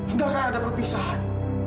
enggak akan ada perpisahan